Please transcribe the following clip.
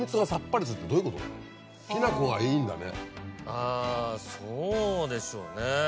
あそうでしょうね。